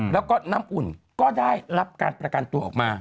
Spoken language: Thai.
แล้วก็น้ำอุ่นก็ได้รับการประกันตัวออกมา